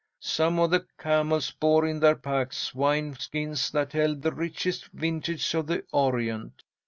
Some of the camels bore in their packs wine skins that held the richest vintage of the Orient.